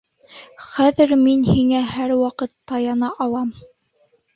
Хәҙер мин һиңә һәр ваҡыт таяна алам.